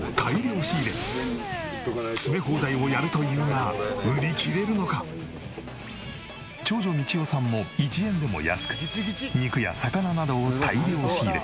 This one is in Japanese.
詰め放題をやるというが長女道代さんも１円でも安く肉や魚などを大量仕入れ。